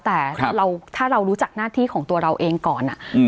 แต่ถ้าเรารู้จักหน้าที่ของตัวเราเองก่อน